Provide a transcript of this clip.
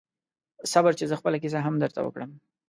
صبر چې زه خپله کیسه هم درته وکړم